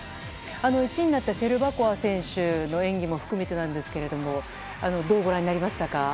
１位になったシェルバコワ選手の演技も含めてどうご覧になりました？